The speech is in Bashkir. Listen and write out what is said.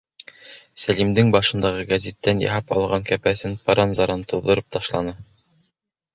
Сәлимдең башындағы гәзиттән яһап алған кәпәсен пыран-заран туҙҙырып ташланы.